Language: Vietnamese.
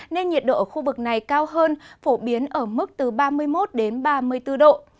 nên nhiệt độ ở khu vực này cao hơn phổ biến ở mức từ ba mươi một đến ba mươi bốn độ